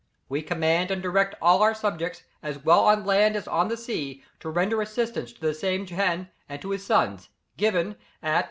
We command and direct all our subjects, as well on land as on the sea, to render assistance to the said Jehan, and to his sons.... Given at